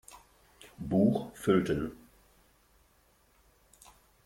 Buch füllten.